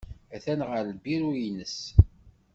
Atan ɣer lbiru-nnes.